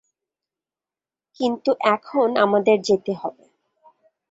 কিন্তু এখন আমাদের যেতে হবে।